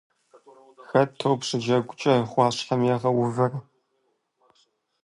Хэт топ щыджэгукӀэ гъуащхьэм ягъэувыр?